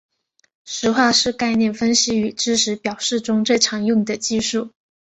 实化是概念分析与知识表示中最常用的技术。